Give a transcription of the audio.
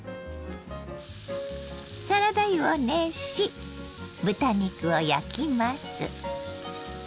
サラダ油を熱し豚肉を焼きます。